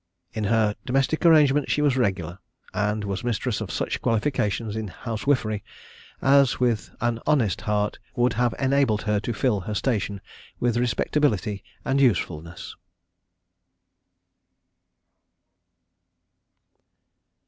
In her domestic arrangements she was regular, and was mistress of such qualifications in housewifery as, with an honest heart, would have enabled her to fill her station with respectability and usefulness.